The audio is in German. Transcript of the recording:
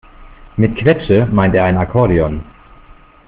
Mit Quetsche meint er ein Akkordeon.